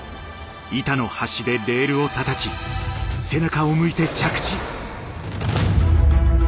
板の端でレールをたたき背中を向いて着地。